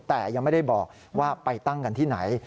แต่ยังไม่ได้บอกว่าไปตั้งกันที่ไหน